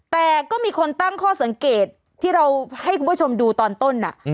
แต่ก็มีคนตั้งข้อสังเกตที่เราให้คุณผู้ชมดูตอนต้น